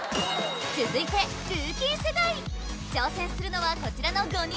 続いてルーキー世代挑戦するのはこちらの５人！